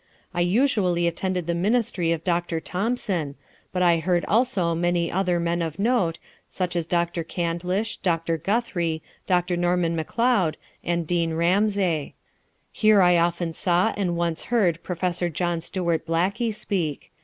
I usually attended the ministry of Dr. Thompson, but I heard also many other men of note, such as Dr. Candlish, Dr. Guthrie, Dr. Norman McLeod and Dean Ramsay. Here I often saw and once heard Prof. John Stuart Blackie speak.